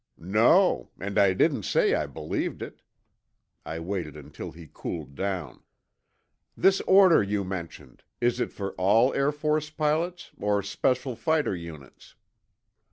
"No—and I didn't say I believed it." I waited until he cooled down. "This order you mentioned—is it for all Air Force pilots, or special fighter units?"